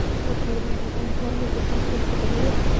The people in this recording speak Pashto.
تالابونه د افغانانو د ژوند طرز ته تغیر ورکوي.